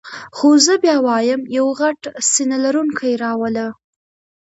خو زه بیا وایم یو غټ سینه لرونکی را وله.